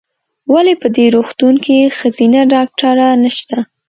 ولې په دي روغتون کې ښځېنه ډاکټره نشته ؟